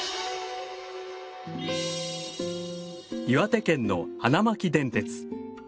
岩手県の花巻電鉄。